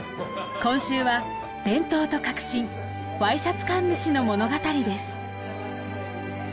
今週は伝統と革新Ｙシャツ神主の物語です。